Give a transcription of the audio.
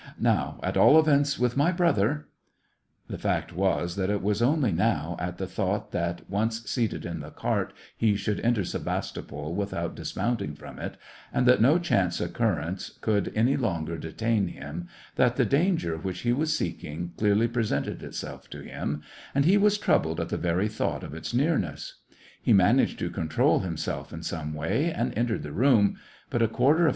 Now, at all events, with my brother —" I The fact was that it was only now, at the thought that, once seated in the cart, he should enter Sevastopol without dismounting from it, and that no chance occurrence could any longer detain him, that the danger which he was seeking clearly presented itself to him, and he was troubled at the very thought of its nearness. He managed to control himself in some way, and entered the room ; but a quarter of.